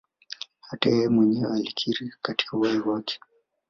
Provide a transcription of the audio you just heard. Hata yeye mwenyewe alikiri katika uhai wake